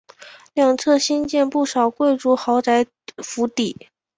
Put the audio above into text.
两侧兴建不少贵族豪宅府邸。